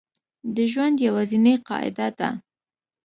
د ژوند یوازینۍ قاعده ده